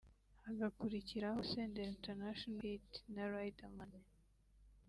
hagakurikiraho Senderi International Hit na Riderman